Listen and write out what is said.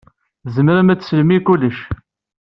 Tzemrem ad teslem i kullec.